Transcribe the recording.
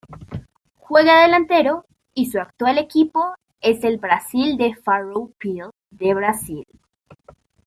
Juega de delantero y su actual equipo es el Brasil de Farroupilha de Brasil.